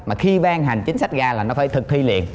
mà khi ban hành chính sách ra là nó phải thực thi liền